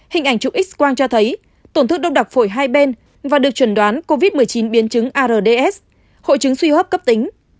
hình ảnh chụp x quang cho thấy tổn thương đông đặc phổi hai bên và được chuẩn đoán covid một mươi chín biến chứng ards hội chứng suy hấp cấp tính